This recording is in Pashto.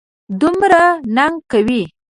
دومرنګه کوي.